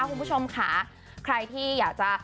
คุณผู้ชมค่ะใครที่อยากจะ